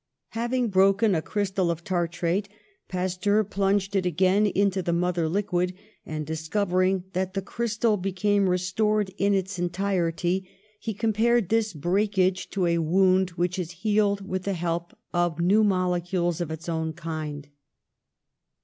Having broken a crystal of tartrate, Pasteur plunged it again into the mother liquid, and, discovering that the crystal became restored in its entirety, he compared this breakage to a wound which is healed with the help of new molecules of its own kind.